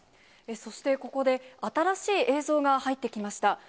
そして、ここで新しい映像が入ってきました。